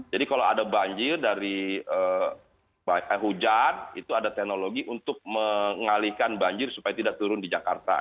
jadi kalau ada banjir dari hujan itu ada teknologi untuk mengalihkan banjir supaya tidak turun di jakarta